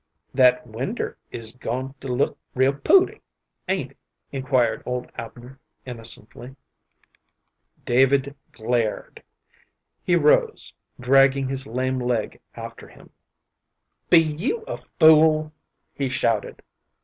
"That winder is goin' to look real pooty, ain't it?" inquired old Abner, innocently. David glared. He rose, dragging his lame leg after him. "Be you a fool?" he shouted.